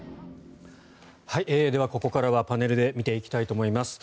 では、ここからはパネルで見ていきたいと思います。